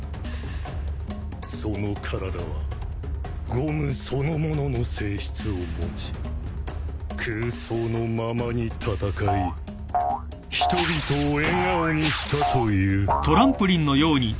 その体はゴムそのものの性質を持ち空想のままに戦い人々を笑顔にしたという。